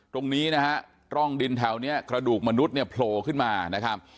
ตรงนี้นะฮะร่องดินแถวนี้กระดูกมนุษย์เนี่ยโผล่ขึ้นมานะครับ